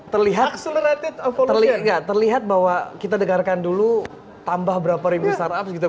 terlihat bahwa kita dengarkan dulu tambah berapa ribu startup gitu